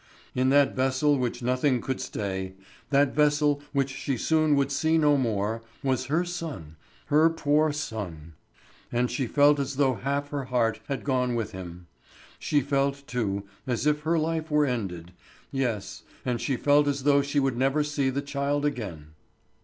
In that vessel which nothing could stay, that vessel which she soon would see no more, was her son, her poor son. And she felt as though half her heart had gone with him; she felt, too, as if her life were ended; yes, and she felt as though she would never see the child again.